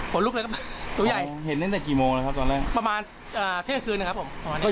ลุกเลยตัวใหญ่เห็นตั้งแต่กี่โมงเลยครับตอนแรกประมาณเที่ยงคืนนะครับผม